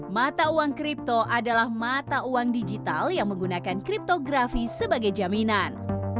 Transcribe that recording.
mata uang kripto adalah mata uang digital yang menggunakan kriptografi sebagai jaminan